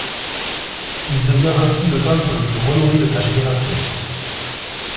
Il devient ainsi le peintre le plus renommé de sa génération.